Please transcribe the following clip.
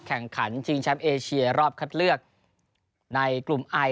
แข่งขันชิงแชมป์เอเชียรอบคัดเลือกในกลุ่มไอ